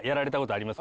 あります。